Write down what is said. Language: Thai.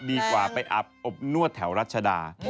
ดีกว่าไปอับอบนวดแถวรัชดา